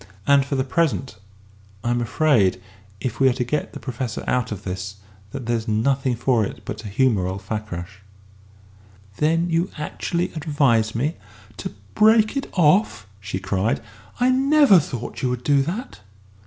And for the present, I'm afraid, if we are to get the Professor out of this, that there's nothing for it but to humour old Fakrash." "Then you actually advise me to to break it off?" she cried; "I never thought you would do that!"